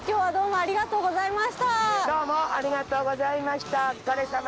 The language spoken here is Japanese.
ありがとうございます。